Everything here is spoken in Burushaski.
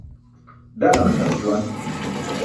Ḍaṅltʰas juwan